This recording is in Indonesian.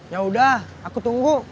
yaudah aku tunggu